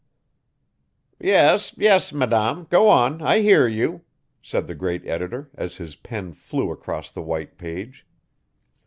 'Yes, yes, Madame, go on, I hear you,' said the great editor, as his pen flew across the white page.